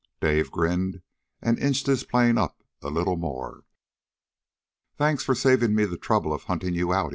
Dave grinned and inched his plane up a little more. "Thanks for saving me the trouble of hunting you out!"